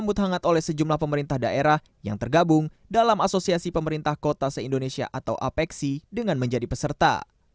sambut hangat oleh sejumlah pemerintah daerah yang tergabung dalam asosiasi pemerintah kota se indonesia atau apexi dengan menjadi peserta